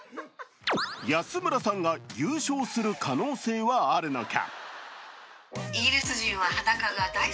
安村さんが優勝する可能性はあるのか。